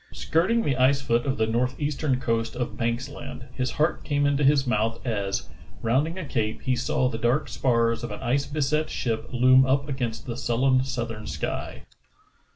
Skirting the ice foot of the northeastern coast of Banks Land, his heart came into his mouth as, round ing a cape, he saw the dark spars of an ice beset ship loom up against the sullen southern sky.